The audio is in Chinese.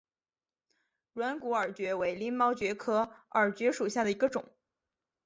软骨耳蕨为鳞毛蕨科耳蕨属下的一个种。